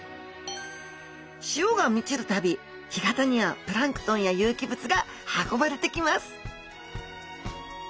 潮が満ちるたび干潟にはプランクトンや有機物が運ばれてきます